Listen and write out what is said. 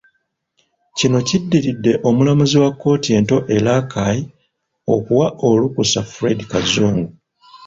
Kino kiddiridde Omulamuzi wa kkooti ento e Rakai okuwa olukusa Fred Kazungu